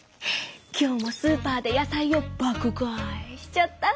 今日もスーパーで野菜を「爆買い」しちゃった！